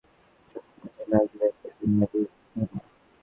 শিল্পী নাজিরকে যাঁরা চেনে, তাদের সবার কাছেই নাজিরের একটা চেনা বেশভূষা।